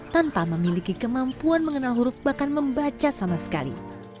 tanpa memiliki kemampuan mengenal huruf bahkan membaca sama sekali